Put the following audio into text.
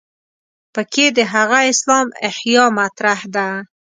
په کې د هغه اسلام احیا مطرح ده.